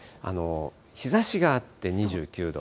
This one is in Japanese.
日ざしがあって２９度。